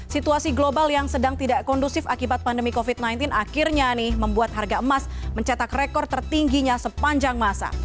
situasi global yang sedang tidak kondusif akibat pandemi covid sembilan belas akhirnya nih membuat harga emas mencetak rekor tertingginya sepanjang masa